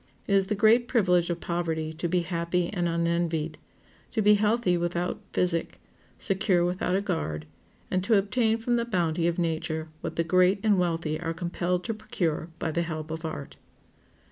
It is the great privilege of poverty to be happy and unenvied, to be healthy without physic, secure without a guard, and to obtain from the bounty of nature what the great and wealthy are compelled to procure by the help of art.